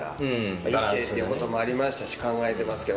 異性ということもありましたし考えてますけど。